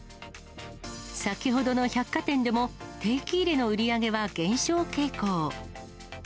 先ほどの百貨店でも、定期入れの売り上げは減少傾向。